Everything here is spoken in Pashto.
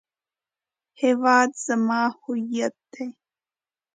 هیواد زما هویت دی